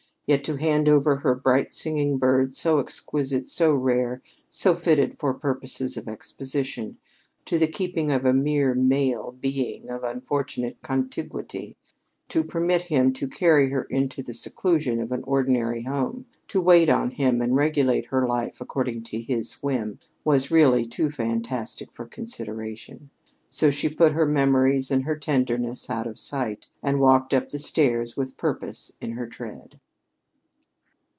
Yet to hand over this bright singing bird, so exquisite, so rare, so fitted for purposes of exposition, to the keeping of a mere male being of unfortunate contiguity, to permit him to carry her into the seclusion of an ordinary home to wait on him and regulate her life according to his whim, was really too fantastic for consideration. So she put her memories and her tendernesses out of sight and walked up the stairs with purpose in her tread.